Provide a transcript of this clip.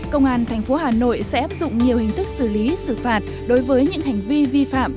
công an tp hà nội sẽ áp dụng nhiều hình thức xử lý xử phạt đối với những hành vi vi phạm